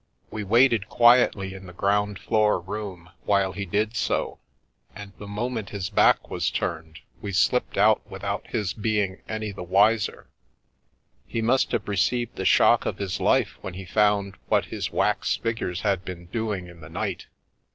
We waited quietly in the ground floor room while he did so, and the moment his back was turned we slipped out without his being any the wiser. He must have received the shock of his life when he found what his wax figures had been doing in the night.